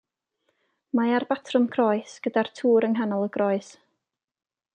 Mae ar batrwm croes, gyda'r tŵr yng nghanol y groes.